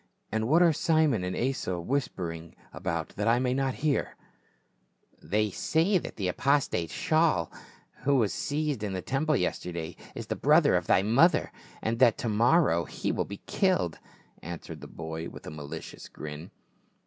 "And what are Simon and Asa whispering about that I may not hear ?" "They say that the apostate, Shaul, who was seized in the temple yesterday is the brother of thy mother, and that to morrow he will be killed," answered the boy with a malicious grin.